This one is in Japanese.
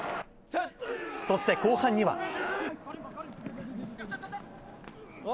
そして後半には。